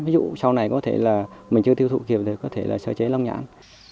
ví dụ sau này có thể là mình chưa tiêu thụ kịp thì có thể là sơ chế lông nhãn